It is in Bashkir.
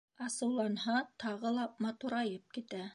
Асыуланһа, тағы ла матурайып китә.